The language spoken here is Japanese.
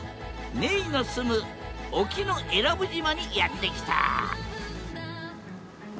めいの住む沖永良部島にやって来た